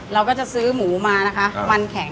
เราก็จะซื้อหมูมานะคะมันแข็ง